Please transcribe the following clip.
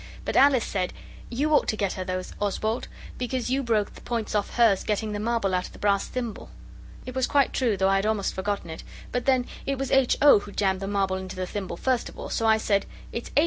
But Alice said 'You ought to get her those, Oswald, because you know you broke the points off hers getting the marble out of the brass thimble.' It was quite true, though I had almost forgotten it, but then it was H. O. who jammed the marble into the thimble first of all. So I said 'It's H.